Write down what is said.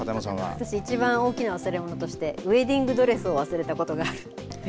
私、一番大きな忘れ物として、ウエディングドレスを忘れたことはあ？